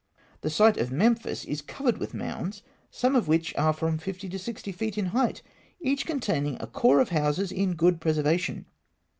The site of Memphis is covered with mounds, some of which are from fifty to sixty feet in height, each containing a core of houses in good preservation.